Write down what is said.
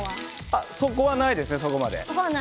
そこはないですね、そこまで。